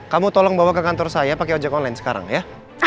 kamu tolong bawa ke kantor saya pakai ojek online sekarang ya